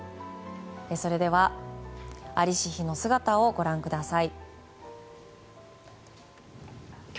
それでは、在りし日の姿をご覧ください。